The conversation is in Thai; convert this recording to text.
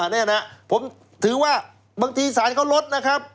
นี่นะผมถือว่าบางทีสารเขาลดนะครับ